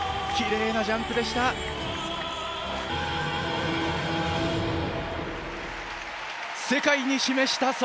きれいなジャンプでした。